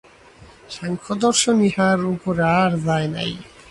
সাংখ্যদর্শন ইহার উপরে আর যায় নাই।